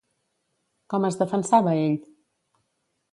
Com es defensava ell?